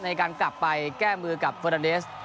ในการกลับไปแก้มือกับเฟอร์นาเนส